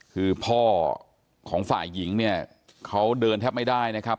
คือพ่อของฝ่ายหญิงเนี่ยเขาเดินแทบไม่ได้นะครับ